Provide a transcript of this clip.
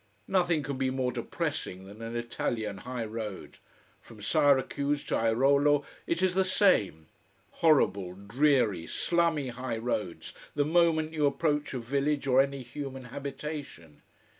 Nothing can be more depressing than an Italian high road. From Syracuse to Airolo it is the same: horrible, dreary, slummy high roads the moment you approach a village or any human habitation.